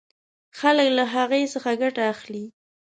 خلک له هغې څخه ګټه اخلي.